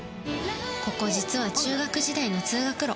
ここ、実は中学時代の通学路。